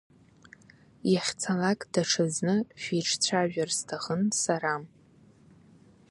Иахьцалак даҽазны шәиҿцәажәар сҭахын сара.